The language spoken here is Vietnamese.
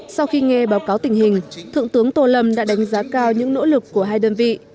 sau khi nghe báo cáo tình hình thượng tướng tô lâm đã đánh giá cao những nỗ lực của hai đơn vị